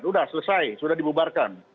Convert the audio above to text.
sudah selesai sudah dibubarkan